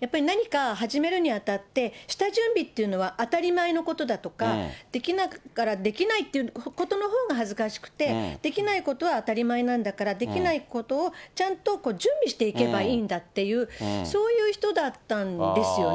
やっぱり何か始めるに当たって、下準備というのは当たり前なことだとか、できないっていうことのほうが恥ずかしくって、できないことは当たり前なんだから、できないことをちゃんと準備していけばいいんだっていう、そういう人だったんですよね。